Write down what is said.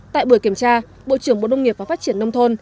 tại buổi kiểm tra bộ trưởng bộ nông nghiệp và phát triển nông thôn